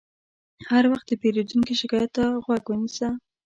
هر وخت د پیرودونکي شکایت ته غوږ ونیسه.